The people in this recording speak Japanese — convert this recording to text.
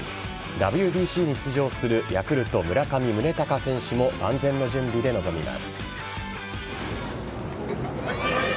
ＷＢＣに出場するヤクルト・村上宗隆選手も万全の準備で臨みます。